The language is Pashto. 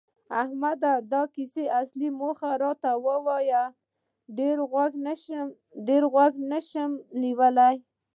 احمده! د کیسې اصلي موخه راته وایه، ډېر غوږ نشم نیولی.